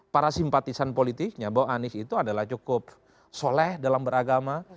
para simpatisan politiknya bahwa anies itu adalah cukup soleh dalam beragama